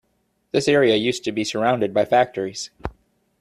This area used to be surrounded by factories.